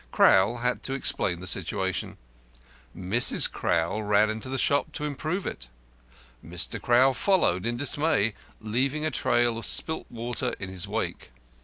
Crowl had to explain the situation. Mrs. Crowl ran into the shop to improve it. Mr. Crowl followed in dismay, leaving a trail of spilt water in his wake.